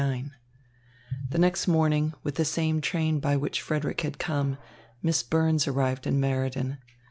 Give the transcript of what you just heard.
XXIX The next morning, with the same train by which Frederick had come, Miss Burns arrived in Meriden.